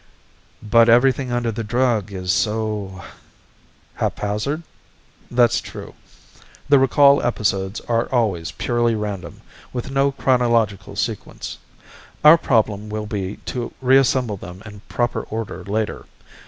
"But everything under the drug is so ..." "Haphazard? That's true. The recall episodes are always purely random, with no chronological sequence. Our problem will be to reassemble them in proper order later.